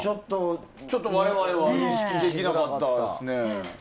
ちょっと我々は認識できなかったですね。